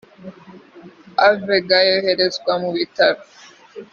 avega yoherezwa mu bitaro